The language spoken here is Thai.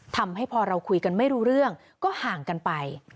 ทำให้พอเราคุยกันไม่รู้เรื่องก็ห่างกันไป